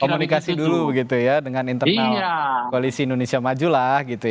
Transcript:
komunikasi dulu begitu ya dengan internal koalisi indonesia maju lah